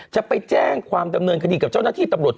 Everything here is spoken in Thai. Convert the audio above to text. จะไปแจ้งความดำเนินคดีกับเจ้าหน้าที่ตำรวจ